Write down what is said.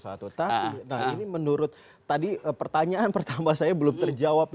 nah ini menurut tadi pertanyaan pertama saya belum terjawab